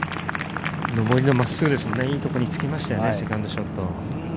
上りの真っすぐ、いいところにつけました、セカンドショット。